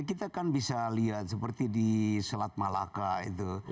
kita kan bisa lihat seperti di selat malaka itu